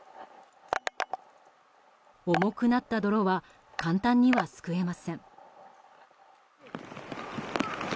重くなった泥は簡単にはすくえません。